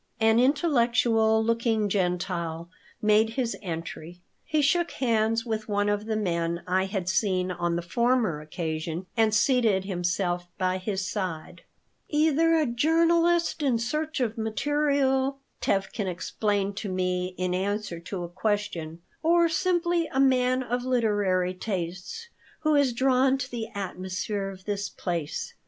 An intellectual looking Gentile made his entry. He shook hands with one of the men I had seen on the former occasion and seated himself by his side "Either a journalist in search of material," Tevkin explained to me in answer to a question, "or simply a man of literary tastes who is drawn to the atmosphere of this place."